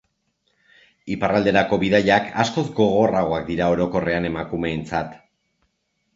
Iparralderako bidaiak askoz gogorragoak dira orokorrean emakumeentzat.